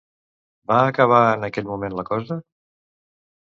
Va acabar en aquell moment la cosa?